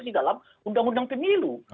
di dalam undang undang pemilu